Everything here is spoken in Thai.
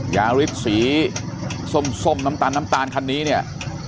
ยาริสสีส้มน้ำตาลน้ำตาลคันนี้เนี่ย